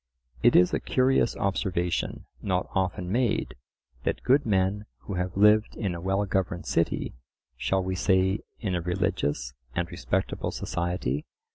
It is a curious observation, not often made, that good men who have lived in a well governed city (shall we say in a religious and respectable society?)